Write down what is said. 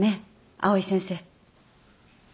藍井先生。